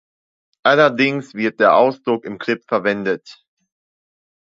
Allerdings wird der Ausdruck im Clip verwendet.